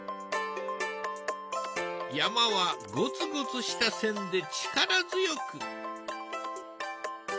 山はごつごつした線で力強く。